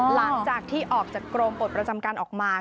หลังจากที่ออกจากกรมปลดประจำการออกมา